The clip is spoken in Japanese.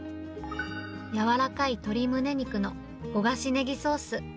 軟らかい鶏むね肉の焦がしネギソース。